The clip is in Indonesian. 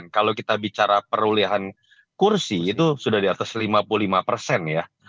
kalau kita bicara perolehan kursi itu sudah di atas lima puluh lima persen ya